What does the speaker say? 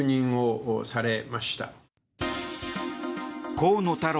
河野太郎